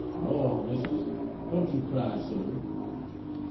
'Lor, missis, don't you cry so!'